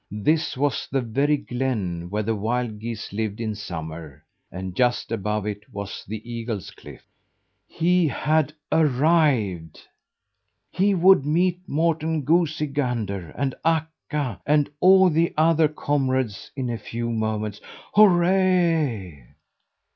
This was the very glen where the wild geese lived in summer, and just above it was the eagles' cliff. HE HAD ARRIVED! He would meet Morten Goosey Gander and Akka and all the other comrades in a few moments. Hurrah!